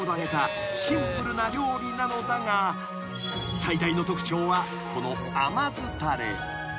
［最大の特徴はこの甘酢たれ］